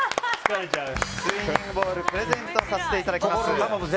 スインギングボールプレゼントさせていただきます。